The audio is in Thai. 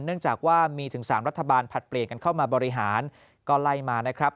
เนื่องจากว่ามีถึง๓รัฐบาลผลัดเปลี่ยนกันเข้ามาบริหารก็ไล่มานะครับ